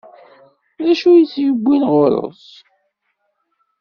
D acu i tt-iwwin ɣur-s?